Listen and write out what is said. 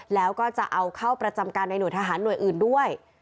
แล้วก็จะเอาเข้าประจำการในหน่วยทหารหน่วยอื่นด้วย